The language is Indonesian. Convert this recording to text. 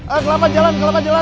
eh kelapa jalan kelapa jalan